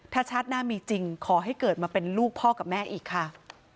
ถ้าชาติหน้ามีจริงขอให้เกิดมาเป็นลูกพ่อกับแม่อีกค่ะ